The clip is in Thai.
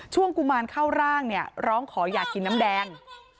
กุมารเข้าร่างเนี่ยร้องขออยากกินน้ำแดง